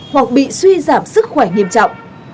hoặc bị suy giảm sức khỏe nghiêm trọng